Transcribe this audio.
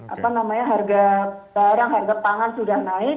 apa namanya harga barang harga pangan sudah naik